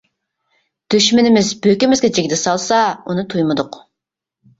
دۈشمىنىمىز بۆكىمىزگە جىگدە سالسا ئۇنى تۇيمىدۇق.